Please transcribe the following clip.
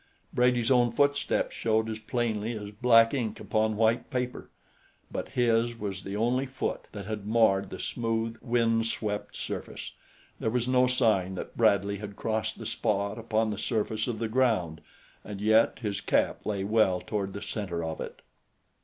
Brady's own footsteps showed as plainly as black ink upon white paper; but his was the only foot that had marred the smooth, windswept surface there was no sign that Bradley had crossed the spot upon the surface of the ground, and yet his cap lay well toward the center of it.